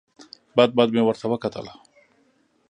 بد بد مې ورته وکتل.